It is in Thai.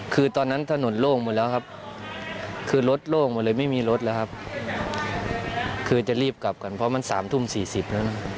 คือตอนนั้นถนนโล่งหมดแล้วครับคือรถโล่งหมดเลยไม่มีรถแล้วครับคือจะรีบกลับกันเพราะมัน๓ทุ่ม๔๐แล้วนะ